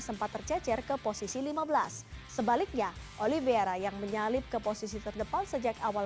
sempat tercecer ke posisi lima belas sebaliknya olivier yang menyalip ke posisi terdepan sejak awal